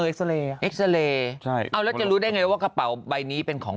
เอ็กซาเลเอ็กซาเลใช่เอาแล้วจะรู้ได้ไงว่ากระเป๋าใบนี้เป็นของ